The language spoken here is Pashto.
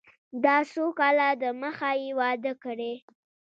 دا څو کاله د مخه يې واده کړى.